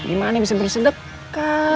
gimana bisa bersedekah